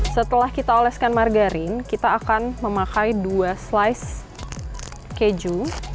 setelah kita oleskan margarin kita akan memakai dua slice keju